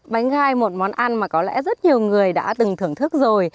bánh gai một món ăn mà có lẽ rất nhiều người đã từng thưởng thức rồi